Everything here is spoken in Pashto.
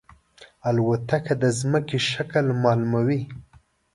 الوتکه د زمکې شکل معلوموي.